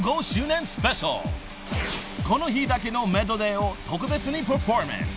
［この日だけのメドレーを特別にパフォーマンス］